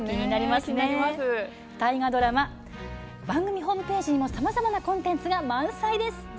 番組ホームページにもさまざまなコンテンツが満載です。